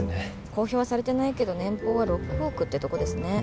公表はされてないけど年俸は６億ってとこですね